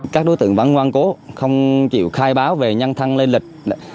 các đối tượng văn ngoan cố không chịu khai báo về nhân thăng lây lịch